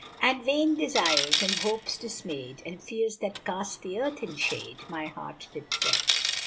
"And vain desires, and hopes dismayed, And fears that cast the earth in shade, My heart did fret."